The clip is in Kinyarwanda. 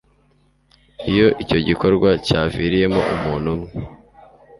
iyo icyo gikorwa cyaviriyemo umuntu umwe